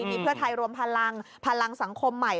มีเพื่อไทยรวมพลังพลังสังคมใหม่